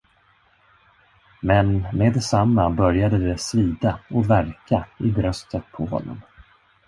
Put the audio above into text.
Men med detsamma började det svida och värka i bröstet på honom.